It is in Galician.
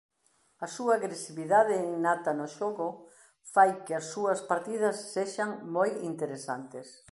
A súa agresividade innata no xogo fai que as súas partidas sexan moi interesantes.